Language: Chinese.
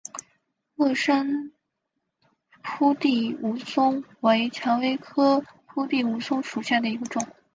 乐山铺地蜈蚣为蔷薇科铺地蜈蚣属下的一个种。